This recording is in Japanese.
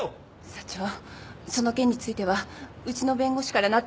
社長その件についてはうちの弁護士から納得のいくような。